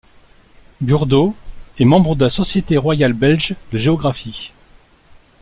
Burdo est membre de la Société royale belge de géographie.